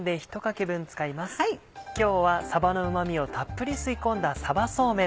今日はさばのうま味をたっぷり吸い込んだ「さばそうめん」。